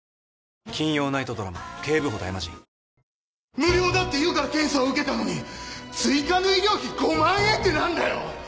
無料だって言うから検査を受けたのに追加の医療費５万円ってなんだよ！